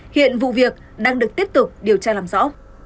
hiện vụ việc đang được tiếp tục điều tra làm rõ